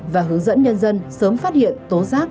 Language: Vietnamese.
và hướng dẫn nhân dân sớm phát hiện tố giác